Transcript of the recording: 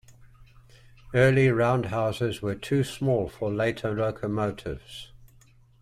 Early roundhouses were too small for later locomotives.